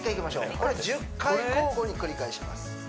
これ１０回交互に繰り返します